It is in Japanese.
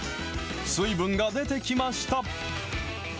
水分が出てきました。